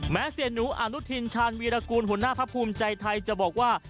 เสียหนูอนุทินชาญวีรกูลหัวหน้าพักภูมิใจไทยจะบอกว่า